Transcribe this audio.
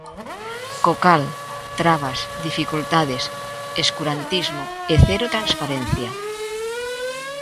Co cal, trabas, dificultades, escurantismo e cero transparencia.